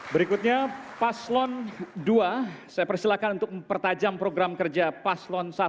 berikutnya paslon dua saya persilahkan untuk mempertajam program kerja paslon satu